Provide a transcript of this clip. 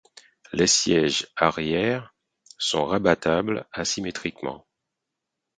Les sièges arrière sont rabattables asymétriquement.